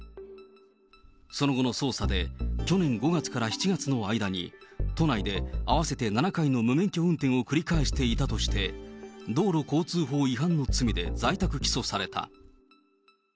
その後の捜査で、去年５月から７月の間に、都内で合わせて７回の無免許運転を繰り返していたとして、道路交通法違反の罪で在宅起訴された。